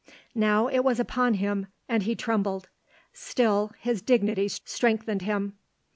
Now it was upon him, and he trembled; still, his dignity strengthened him.